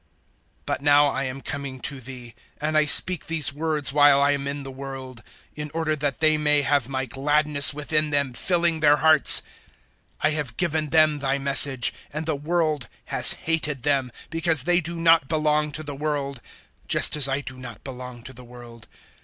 017:013 "But now I am coming to Thee, and I speak these words while I am in the world, in order that they may have my gladness within them filling their hearts. 017:014 I have given them Thy Message, and the world has hated them, because they do not belong to the world, just as I do not belong to the world.